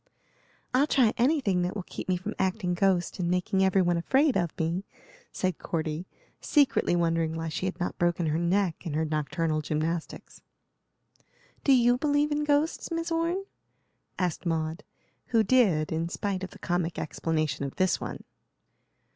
"I'll try anything that will keep me from acting ghost and making every one afraid of me," said Cordy, secretly wondering why she had not broken her neck in her nocturnal gymnastics. "Do you believe in ghosts, Miss Orne?" asked Maud, who did, in spite of the comic explanation of this one.